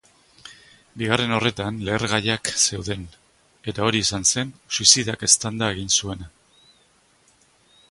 Bigarren horretan lehergaiak zeuden, eta hori izan zen suizidak eztanda egin zuena.